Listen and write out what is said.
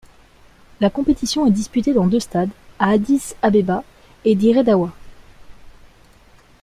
La compétition est disputée dans deux stades, à Addis-Abeba et Dire Dawa.